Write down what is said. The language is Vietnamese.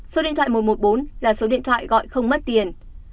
số điện thoại một trăm một mươi bốn là số điện thoại gọi không mất tiền